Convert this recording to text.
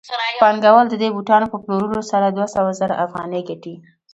پانګوال د دې بوټانو په پلورلو سره دوه سوه زره افغانۍ ګټي